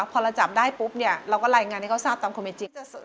พอเราจับได้ปุ๊บเนี่ยเราก็รายงานให้เขาทราบตามคอมเมจิก